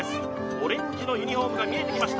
オレンジのユニフォームが見えてきました